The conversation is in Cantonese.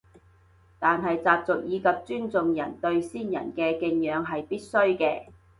但係習俗以及尊重人對先人嘅敬仰係必須嘅